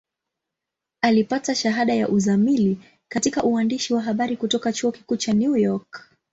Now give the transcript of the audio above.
Alipata shahada ya uzamili katika uandishi wa habari kutoka Chuo Kikuu cha New York.